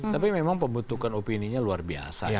tapi memang pembutuhkan opini luar biasa